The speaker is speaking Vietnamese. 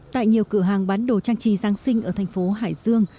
tại nhiều cửa hàng bán đồ trang trí giáng sinh ở thành phố hải dương